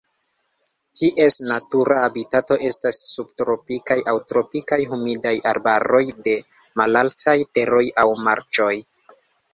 Ties natura habitato estas subtropikaj aŭ tropikaj humidaj arbaroj de malaltaj teroj aŭ marĉoj.